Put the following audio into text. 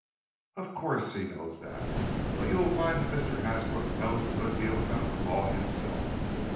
"Of course he knows that. But you will find that Mr. Hasbrook knows a good deal about the law himself.